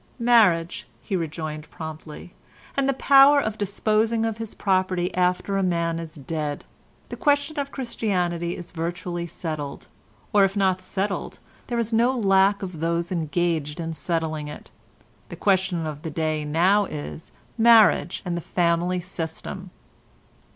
"Marriage," he rejoined promptly, "and the power of disposing of his property after a man is dead. The question of Christianity is virtually settled, or if not settled there is no lack of those engaged in settling it. The question of the day now is marriage and the family system."